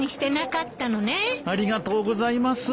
ありがとうございます。